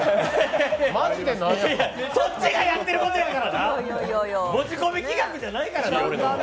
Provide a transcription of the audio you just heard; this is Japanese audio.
そっちがやってることやからな、持ち込み企画やないからな。